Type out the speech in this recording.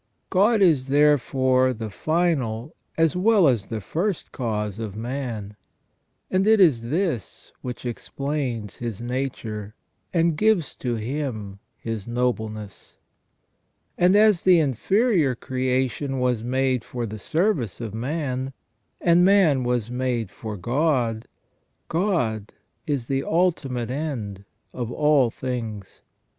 God is therefore the final as well as the first cause of man, and it is this which explains his nature, and gives to him his nobleness. And 30 WHY MAN IS MADE TO THE IMAGE OF GOD. as the inferior creation was made for the service of man, and man was made for God, God is the ultimate end of all things.